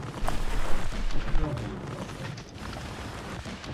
Яка в неї краса?